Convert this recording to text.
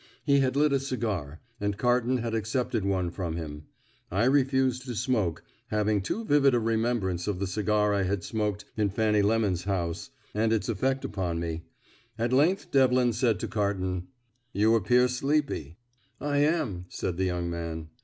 He had lit a cigar, and Carton had accepted one from him; I refused to smoke, having too vivid a remembrance of the cigar I had smoked in Fanny Lemon's house, and its effect upon me. At length Devlin said to Carton: "You appear sleepy." "I am," said the young man.